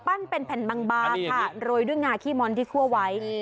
เป็นแผ่นบางค่ะโรยด้วยงาขี้ม้อนที่คั่วไว้